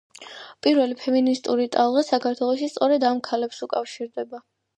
პირველი ფემინისტური ტალღა საქართველოში სწორედ ამ ქალებს უკავშირდება.